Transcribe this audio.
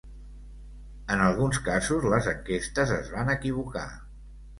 En alguns casos les enquestes es van equivocar.